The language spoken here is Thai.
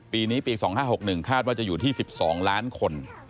ปีนี้ปี๒๕๖๑คาดว่าจะอยู่ที่๑๒ล้านคน